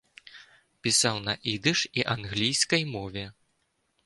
Пісаў на ідыш і англійскай мове.